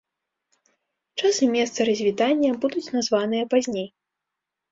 Час і месца развітання будуць названыя пазней.